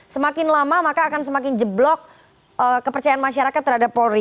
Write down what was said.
semakin lama maka akan semakin jeblok kepercayaan masyarakat terhadap polri